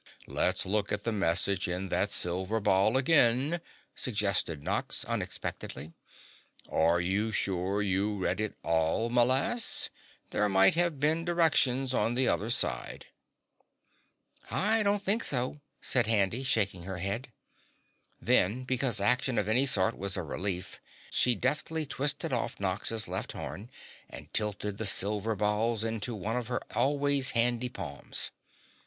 "Let's look at the message in that silver ball again," suggested Nox unexpectedly. "Are you sure you read it all, m'lass? There might have been directions on the other side." "I don't think so," said Handy, shaking her head. Then, because action of any sort was a relief, she deftly twisted off Nox's left horn and tilted the silver balls into one of her always handy palms.